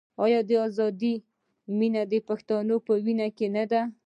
آیا د ازادۍ مینه د پښتون په وینه کې نه ده؟